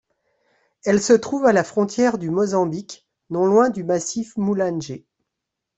Elle se trouve à la frontière du Mozambique, non loin du Massif Mulanje.